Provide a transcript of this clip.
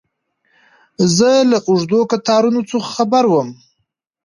زه له اوږدو کتارونو څه خبر وم.